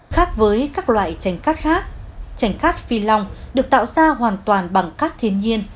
khác với các loại tranh cát khác tranh cát phi long được tạo ra hoàn toàn bằng cát thiên nhiên